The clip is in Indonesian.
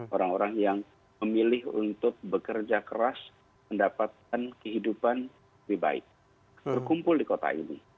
orang orang yang memilih untuk bekerja keras mendapatkan kehidupan lebih baik berkumpul di kota ini